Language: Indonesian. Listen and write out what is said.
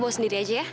mau sendiri aja ya